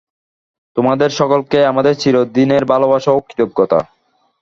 তোমাদের সকলকে আমার চিরদিনের ভালবাসা ও কৃতজ্ঞতা।